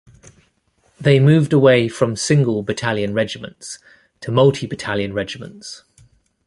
They moved away from single battalion regiments to multi battalion regiments.